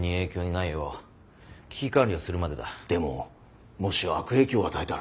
でももし悪影響を与えたら。